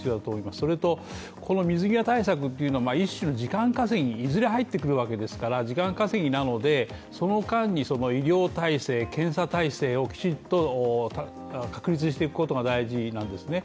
それと水際対策、一種の時間稼ぎいずれ入ってくるわけですから時間稼ぎなので、その間に医療体制、検査体制をきちんと確立していくことが大事なんですね。